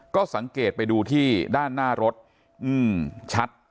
ก็สังเกตไปดูที่ด้านหน้ารถชัด